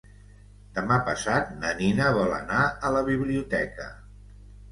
Demà passat na Nina vol anar a la biblioteca.